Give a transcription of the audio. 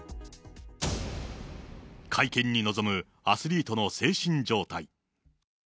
会見に臨むアスリートの精神状態。